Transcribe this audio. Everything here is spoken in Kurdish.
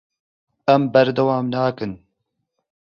Em berdewam nakin.